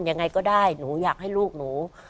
ยังไงก็ได้หนูอยากให้ลูกหนู